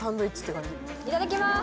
いただきます！